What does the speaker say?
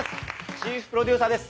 チーフプロデューサーです。